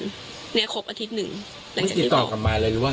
ไม่ได้ติดต่อกลับมาเลยหรือว่าไงครับ